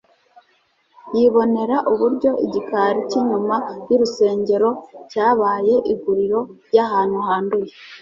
Yibonera uburyo igikari cy'inyuma y'urusengero cyabaye iguriro ry'ahantu handuye.